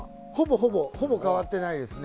ほぼ変わってないですね。